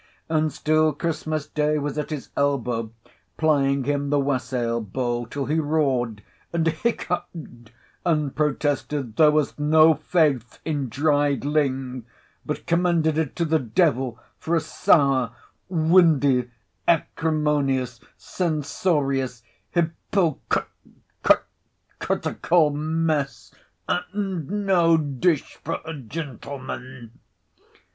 And still Christmas Day was at his elbow, plying him the wassail bowl, till he roared, and hiccup'd, and protested there was no faith in dried ling, but commended it to the devil for a sour, windy, acrimonious, censorious, hy po crit crit cri tical mess, and no dish for a gentleman.